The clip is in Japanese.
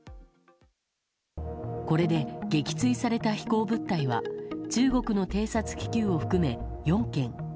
これで、撃墜された飛行物体は中国の偵察気球を含め４件。